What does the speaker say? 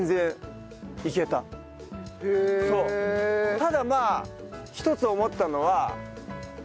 ただまあ１つ思ったのは。